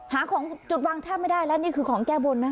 หาของจุดวางแทบไม่ได้แล้วนี่คือของแก้บนนะ